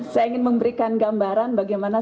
saya ingin memberikan gambaran bagaimana